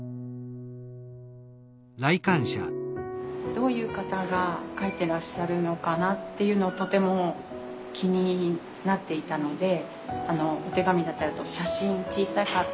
どういう方が描いてらっしゃるのかなっていうのはとても気になっていたのでお手紙だったり写真小さかっ